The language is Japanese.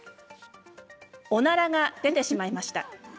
おならが出てしまいました。